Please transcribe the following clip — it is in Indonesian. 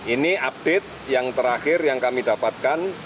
ini update yang terakhir yang kami dapatkan